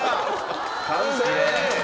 完成！